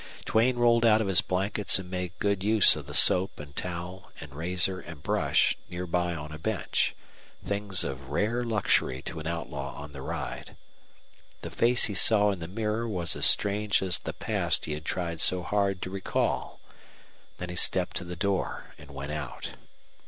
Duane rolled out of his blankets and made good use of the soap and towel and razor and brush near by on a bench things of rare luxury to an outlaw on the ride. The face he saw in the mirror was as strange as the past he had tried so hard to recall. Then he stepped to the door and went out.